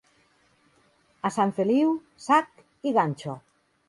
A Sant Feliu, sac i ganxo.